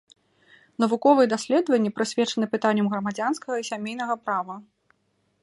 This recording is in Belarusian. Навуковыя даследванні прысвечаны пытанням грамадзянскага і сямейнага права.